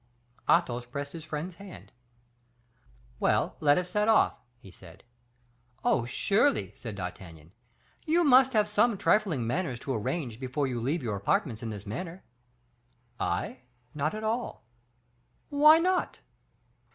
Athos pressed his friend's hand. "Well, let us set off," he said. "Oh! surely," said D'Artagnan, "you must have some trifling matters to arrange before you leave your apartments in this manner." "I? not at all." "Why not?"